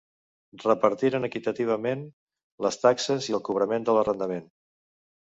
Repartiren equitativament les taxes i el cobrament de l'arrendament.